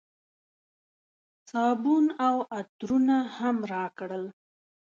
صابون او عطرونه هم راکړل.